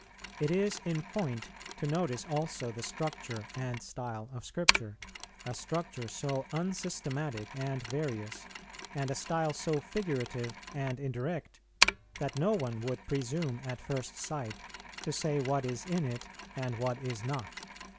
It is in point to notice also the structure and style of Scripture, a structure so unsystematic and various, and a style so figurative and indirect, that no one would presume at first sight to say what is in it and what is not.